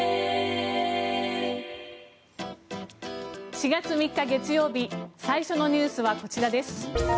４月３日、月曜日最初のニュースはこちらです。